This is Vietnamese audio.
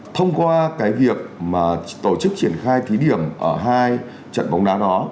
thông qua cái việc mà tổ chức triển khai thí điểm ở hai trận bóng đá đó